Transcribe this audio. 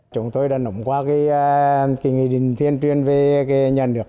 chúng tôi đã nộng qua kỳ nghị định thiên truyền về nhà nước